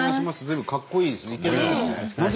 随分かっこいいですね。